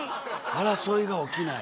争いが起きない。